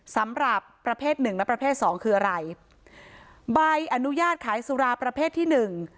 สำหรับประเภทหนึ่งและประเภทสองคืออะไรใบอนุญาตขายสุราประเภทที่หนึ่ง